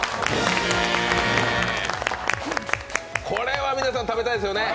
これは皆さん食べたいですよね？